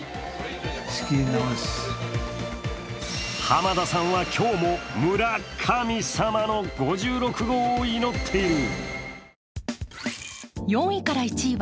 濱田さんは今日も村神様の５６号を祈っている。